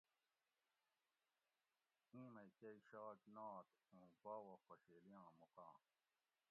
ایں مئ کئ شاک نات اوُں باوہ خوشیلیاں مقام